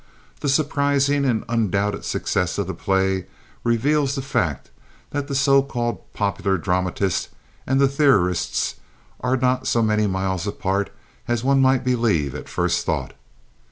The surprising and undoubted success of the play reveals the fact that the so called popular dramatists and the theorists are not so many miles apart as one might believe at first thought.